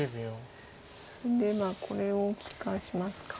でこれを利かしますか。